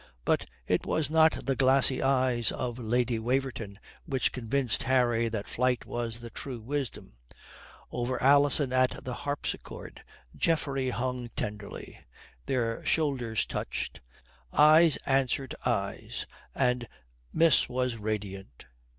But it was not the glassy eyes of Lady Waverton which convinced Harry that flight was the true wisdom. Over Alison at the harpsichord, Geoffrey hung tenderly: their shoulders touched, eyes answered eyes, and miss was radiant.